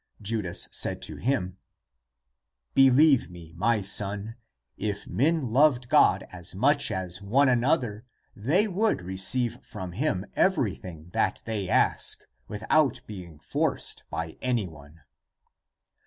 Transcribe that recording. Judas said to him, " Believe me, my son, if men loved God as much as one another, they would receive from him everything that they ask, without being forced by anyone."